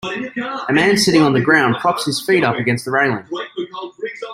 A man sitting on the ground props his feet up against the railing.